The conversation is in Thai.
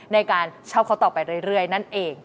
ในการชอบเขาต่อไปเรื่อยนั่นเอง